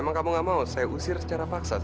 saya bisa buktiin ya pak